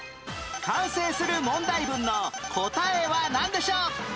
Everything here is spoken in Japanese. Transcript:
完成する問題文の答えはなんでしょう？